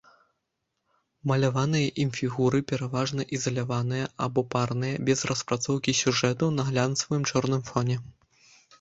Маляваныя ім фігуры пераважна ізаляваныя або парныя, без распрацоўкі сюжэту на глянцавым чорным фоне.